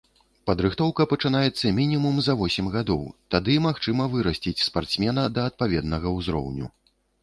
Падрыхтоўка пачынаецца мінімум за восем гадоў, тады магчыма вырасціць спартсмена да адпаведнага ўзроўню.